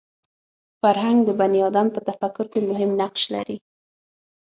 فرهنګ د بني ادم په تفکر کې مهم نقش لري